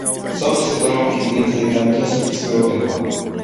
სოფლის ეკონომიკის ძირითადი დარგია სოფლის მეურნეობა.